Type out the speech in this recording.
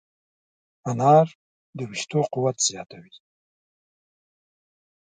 انار د ویښتو قوت زیاتوي.